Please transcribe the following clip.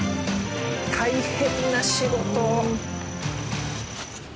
大変な仕事。